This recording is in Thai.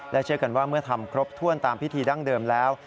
เชื่อกันว่าเมื่อทำครบถ้วนตามพิธีดั้งเดิมแล้ว